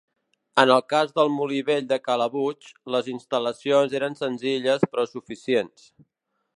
En el cas del molí vell de Calabuig, les instal·lacions eren senzilles però suficients.